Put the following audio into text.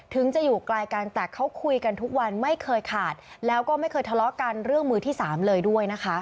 ถึงจะอยู่ไกลกันแต่เขาคุยกันทุกวันไม่เคยขาดแล้วก็ไม่เคยทะเลาะกันเรื่องมือที่สามเลยด้วยนะคะ